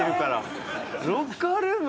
ロッカールーム